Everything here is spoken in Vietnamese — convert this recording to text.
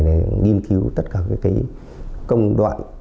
nghiên cứu tất cả cái công đoạn